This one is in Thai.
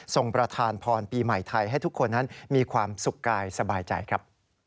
ประธานพรปีใหม่ไทยให้ทุกคนนั้นมีความสุขกายสบายใจครับ